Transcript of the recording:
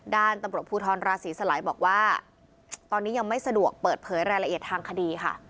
ด้านตำรวจภูทรราศีสลายบอกว่าตอนนี้ยังไม่สะดวกเปิดเผยรายละเอียดทางคดีค่ะ